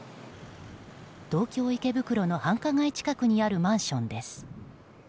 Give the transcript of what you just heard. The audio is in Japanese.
東京・池袋の繁華街近くにあるマンションです。